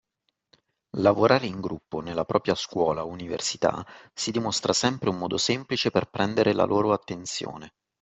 Lavorare in gruppo nella propria scuola o università si dimostra sempre un modo semplice per prendere la loro attenzione.